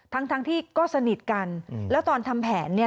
ทั้งทั้งที่ก็สนิทกันแล้วตอนทำแผนเนี่ย